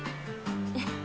えっ？